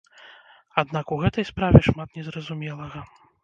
Аднак у гэтай справе шмат незразумелага.